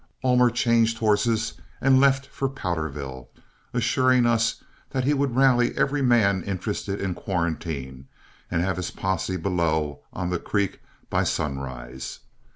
Ullmer changed horses and left for Powderville, assuring us that he would rally every man interested in quarantine, and have his posse below, on the creek by sunrise.